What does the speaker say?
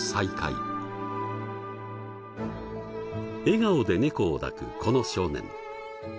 笑顔で猫を抱くこの少年。